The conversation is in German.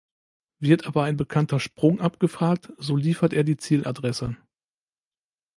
Wird aber ein bekannter Sprung abgefragt, so liefert er die Zieladresse.